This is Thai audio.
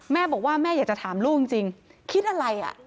แม่บอกว่าแม่อยากจะถามลูกจริงคิดอะไรอ่ะ